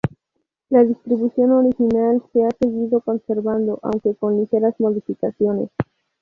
La distribución original se ha seguido conservando, aunque con ligeras modificaciones.